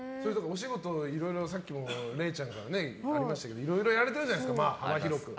お仕事、さっきれいちゃんからありましたけどいろいろやられてるじゃないですか、幅広く。